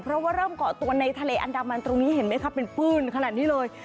เพราะว่าเริ่มเกาะตัวในทะเลอันดามันตรงนี้เห็นไหมครับเป็นปื้นขนาดนี้เลย